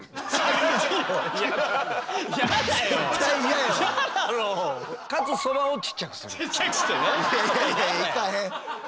いやいやいや行かへん。